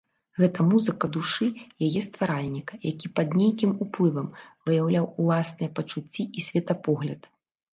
Гэта музыка душы яе стваральніка, які пад нейкім уплывам выяўляў уласныя пачуцці і светапогляд.